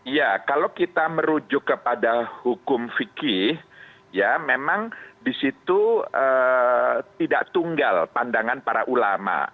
ya kalau kita merujuk kepada hukum fikih ya memang di situ tidak tunggal pandangan para ulama